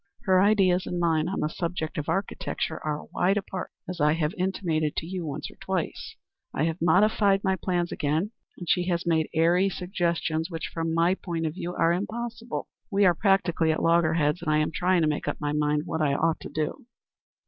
Her ideas and mine on the subject of architecture are wide apart, as I have intimated to you once or twice. I have modified my plans again, and she has made airy suggestions which from my point of view are impossible. We are practically at loggerheads, and I am trying to make up my mind what I ought to do."